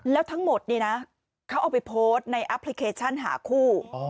แล้วทั้งหมดเนี่ยนะเขาเอาไปโพสต์ในแอปพลิเคชันหาคู่